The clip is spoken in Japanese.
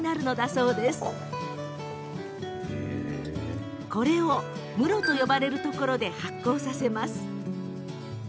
それを、室と呼ばれるところで発酵させます。